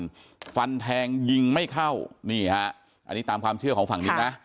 ฟันแทงยิงไม่เข้านี่ฮะอันนี้ตามความเชื่อของฝั่งนิดนะ